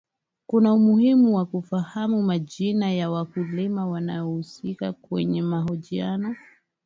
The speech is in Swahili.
kuna umuhimu wa kuyafahamu majina ya wakulima wanaohusika kwenye mahojiano